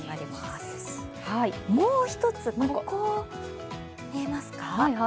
もう一つ、これ、見えますか？